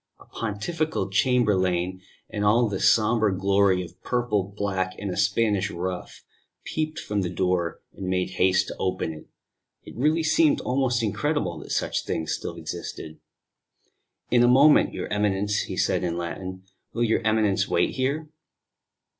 A Pontifical chamberlain, in all the sombre glory of purple, black, and a Spanish ruff, peeped from the door, and made haste to open it. It really seemed almost incredible that such things still existed. "In a moment, your Eminence," he said in Latin. "Will your Eminence wait here?"